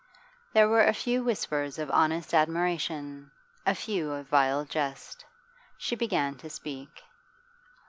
There were a few whispers of honest admiration, a few of vile jest. She began to speak.